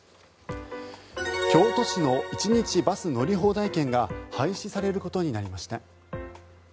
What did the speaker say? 京都市の一日バス乗り放題券が廃止されることになりました。